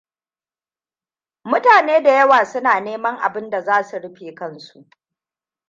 Mutane da yawa suna neman abin da za su rufe kansu.